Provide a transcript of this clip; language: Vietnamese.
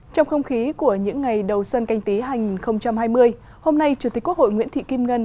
trong không khí của những ngày đầu xuân canh tí hai nghìn hai mươi hôm nay chủ tịch quốc hội nguyễn thị kim ngân